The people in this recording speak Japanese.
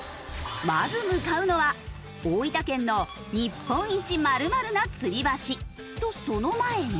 まず向かうのは大分県の日本一○○なつり橋。とその前に。